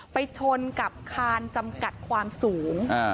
ไปชนกับคานจำกัดความสูง